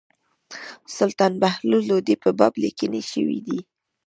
سلطان بهلول لودي په باب لیکني شوي دي.